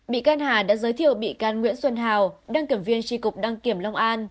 bị can hà đã giới thiệu bị can nguyễn xuân hào đăng kiểm viên tri cục đăng kiểm long an